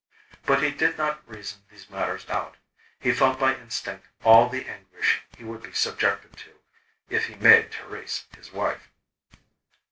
But he did not reason these matters out, he felt by instinct all the anguish he would be subjected to, if he made Thérèse his wife.